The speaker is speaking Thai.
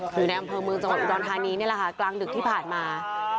คือในอำเภอเมืองดอนธานีนี่แหละค่ะกลางดึกที่ผ่านมา